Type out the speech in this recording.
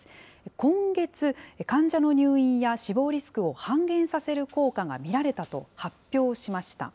今月、患者の入院や死亡リスクを半減させる効果が見られたと発表しました。